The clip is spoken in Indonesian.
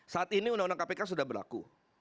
saat ini undang undang kpk sudah berlaku